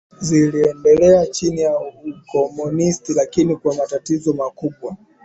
ziliendelea chini ya ukomunisti lakini kwa matatizo makubwa